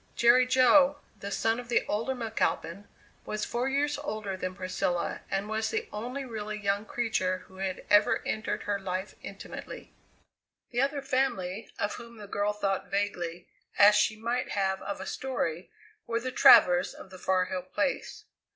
Jerry Jo, the son of the older McAlpin, was four years older than Priscilla and was the only really young creature who had ever entered her life intimately. The other family, of whom the girl thought vaguely, as she might have of a story, were the Travers of the Far Hill Place.